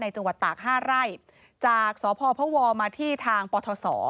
จังหวัดตาก๕ไร่จากสพพวมาที่ทางปทศ